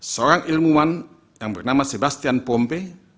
seorang ilmuwan yang bernama sebastian pompe